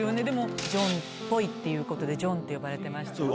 でも、ジョンっぽいっていうことで、ジョンって呼ばれてました。